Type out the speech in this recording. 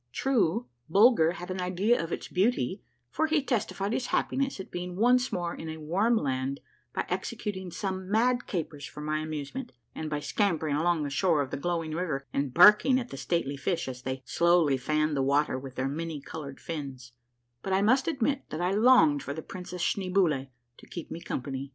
True, Bulger had an idea of its beauty, for he testified his happiness at being once more in a warm land by executing some mad capers for my amusement, and by scampering along the shore of the glowing river and barking at the stately fish as they slowly fanned the water with their many colored fins ; but I must admit that I longed for the Princess Schneeboule to keep me company.